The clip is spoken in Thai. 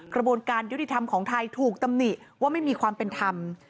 กระบวนการยุติธรรมของไทยถูกตำหนิว่าไม่มีความเป็นธรรม